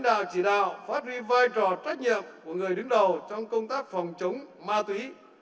đã tạo phát triển vai trò trách nhiệm của người đứng đầu trong công tác phòng chống ma túy